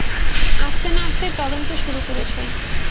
আসতে না আসতেই তদন্ত শুরু করেছো!